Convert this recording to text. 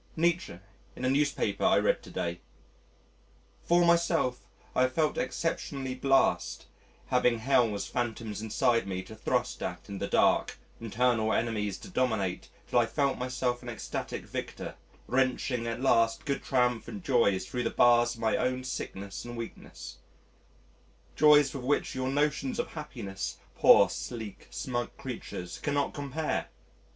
Nietzsche in a newspaper I read to day: "For myself I have felt exceptionally blest having Hell's phantoms inside me to thrust at in the dark, internal enemies to dominate till I felt myself an ecstatic victor, wrenching at last good triumphant joys thro' the bars of my own sickness and weakness joys with which your notions of happiness, poor sleek smug creatures, cannot compare!